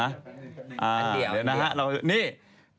อันเดียว